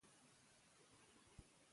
د رواني اختلال درملنه باید منظم وي.